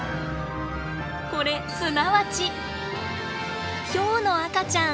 これすなわちヒョウの赤ちゃん！